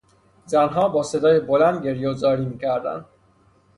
زنها با صدای بلند گریه و زاری میکردند.